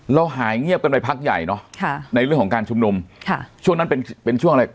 เราหายเงียบกันไปพักใหญ่เนอะค่ะในเรื่องของการชุมนุมค่ะช่วงนั้นเป็นเป็นช่วงอะไร